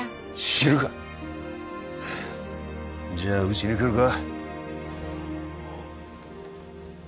知るかじゃあうちに来るか？